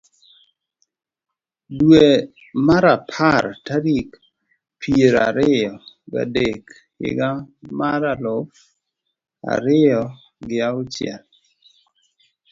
dwe mar apar tarik piero ariyo ga dek higa mar aluf ariyo gi auchiel ,